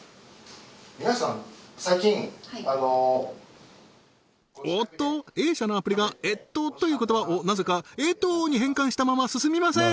皆さん最近あのおっとＡ社のアプリが「えっと」という言葉をなぜか「江頭」に変換したまま進みません